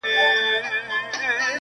• د آزادي نړۍ دغه کرامت دی -